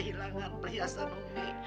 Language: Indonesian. hilang perhiasan umi